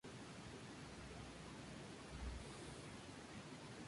La referencia de la citación va al final, antes del punto final.